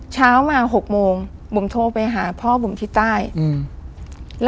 เช้ามาหกโมงบุ๋มโทรไปหาพ่อบุ๋มที่ใต้อืม